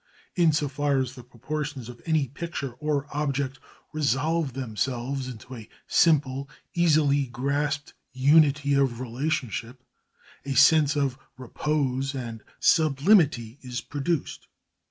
In so far as the proportions of any picture or object resolve themselves into a simple, easily grasped unity of relationship, a sense of repose and sublimity is produced.